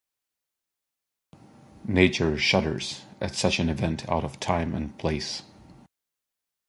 Nature shudders at such an event out of time and place.